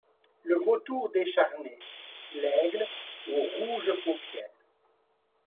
Le vautour décharné, l'aigle aux rouges paupières